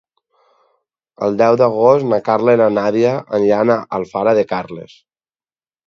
El deu d'agost na Carla i na Nàdia iran a Alfara de Carles.